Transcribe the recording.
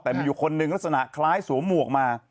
แต่มีอยู่คนหนึ่งลักษณะคล้ายสวมหมวกมา